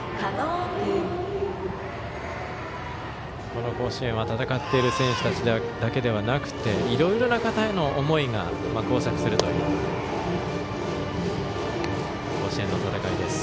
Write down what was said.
この甲子園は戦っている選手だけではなくていろいろな方の思いが交錯するという甲子園の戦いです。